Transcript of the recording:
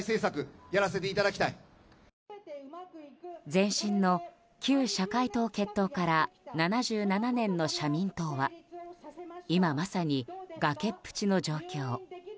前身の旧社会党結党から７７年の社民党は今まさに崖っぷちの状況。